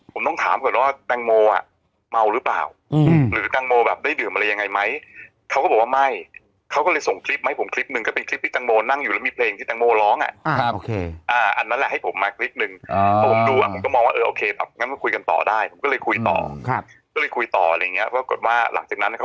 ผมต้องถามก่อนว่าแตงโมอ่ะเมาหรือเปล่าหรือแตงโมแบบได้ดื่มอะไรยังไงไหมเขาก็บอกว่าไม่เขาก็เลยส่งคลิปมาให้ผมคลิปหนึ่งก็เป็นคลิปที่แตงโมนั่งอยู่แล้วมีเพลงที่แตงโมร้องอ่ะครับโอเคอ่าอันนั้นแหละให้ผมมาคลิปนึงพอผมดูอ่ะผมก็มองว่าเออโอเคแบบงั้นมาคุยกันต่อได้ผมก็เลยคุยต่อครับก็เลยคุยต่ออะไรอย่างเงี้ยปรากฏว่าหลังจากนั้นนะครับ